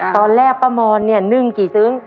ตอนแรกป้ามอนเนี่ยนึ่งกี่ซึ้ง